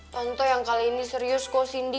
tante yang kali ini serius kok sindi